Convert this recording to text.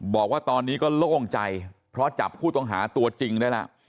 บอกว่าตอนนี้ก็โล่งใจเพราะจับผู้ต้องหาตัวจริงได้แล้ว